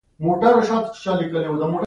ددې خبرې څخه ستا هدف څه دی ؟؟